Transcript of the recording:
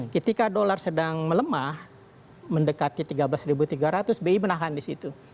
ketika dolar sedang melemah mendekati tiga belas tiga ratus bi menahan di situ